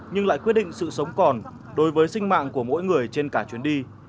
nhưng lại quyết định sự sống còn đối với sinh mạng của mỗi người trên cả chuyến đi